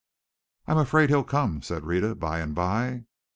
"I'm afraid he'll come," said Rhetta by and by.